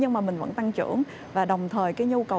nhưng mà mình vẫn tăng trưởng và đồng thời cái nhu cầu